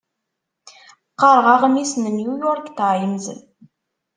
Qqareɣ aɣmis n New York Times.